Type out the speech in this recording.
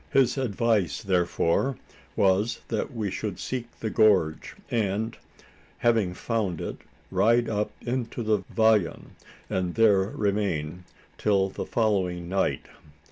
His advice, therefore, was, that we should seek the gorge; and, having found it, ride up into the vallon, and there remain, till the following night.